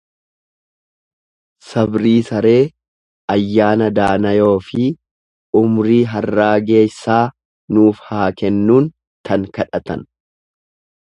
Sabrii saree, ayyaana daanayoo fi umrii harraageysaa nuuf haa kennuun tan kadhatan.